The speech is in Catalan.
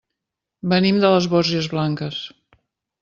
Venim de les Borges Blanques.